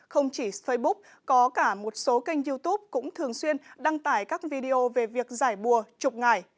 không chỉ facebook có cả một số kênh youtube cũng thường xuyên đăng tải các video về việc giải bùa chục ngày